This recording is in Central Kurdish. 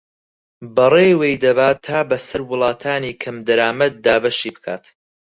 بەڕێوەی دەبات تا بەسەر وڵاتانی کەمدەرامەت دابەشی بکات